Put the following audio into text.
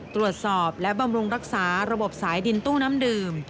ตรวจสอบและบำรุงรักษาระบบสายดินตู้น้ำดื่ม